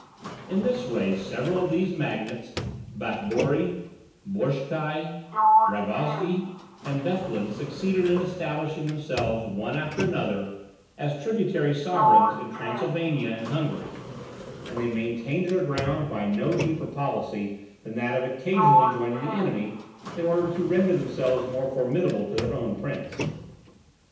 In this way several of these magnates, Batbori, Boschkai, Ragoczi, and Bethlen succeeded in establishing themselves, one after another, as tributary sovereigns in Transylvania and Hungary; and they maintained their ground by no deeper policy than that of occasionally joining the enemy, in order to render themselves more formidable to their own prince.